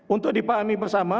untuk dipahami bersama